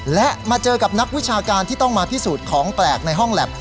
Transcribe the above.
และมาเจอกับนักวิชาการที่ต้องมาพิสูจน์ของแปลกในห้องแล็บ